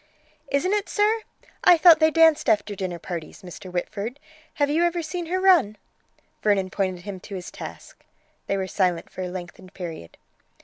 "Isn't it, sir? I thought they danced after dinner parties, Mr. Whitford, have you ever seen her run?" Vernon pointed him to his task. They were silent for a lengthened period.